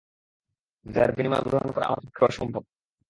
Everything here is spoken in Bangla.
দয়ার বিনিময় গ্রহণ করা আমার পক্ষে অসম্ভব।